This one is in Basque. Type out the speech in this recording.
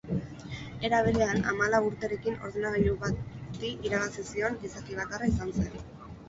Era berean, hamalau urterekin ordenagailu bati irabazi zion gizaki bakarra izan zen.